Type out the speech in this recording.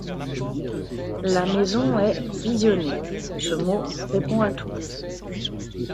La maison est « visionnée »; ce mot répond à tout.